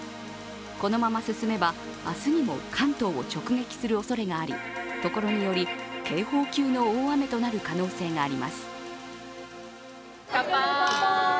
このまま進めば、明日にも関東を直撃するおそれがあり所により警報級の大雨となる可能性があります。